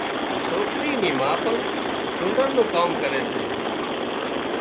سوڪري نِي ما پڻ هنر نُون ڪام ڪري سي